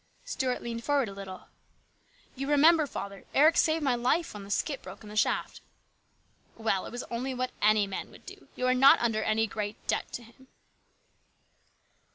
Stuart leaned forward a little. " You remember, father, Eric saved my life when the skip broke in the shaft ?"" Well, it was only what any man would do. You are not under any great debt to him."